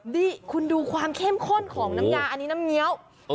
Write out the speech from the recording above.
นี่คุณดูความเข้มข้นของน้ำยาอันนี้น้ำเงี้ยว